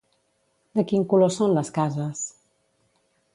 De quin color són les cases?